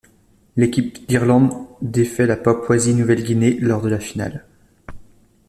L'équipe d'Irlande défait la Papouasie-Nouvelle-Guinée lors de la finale.